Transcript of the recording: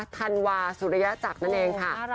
ธันวาสุริยจักรนั่นเองค่ะ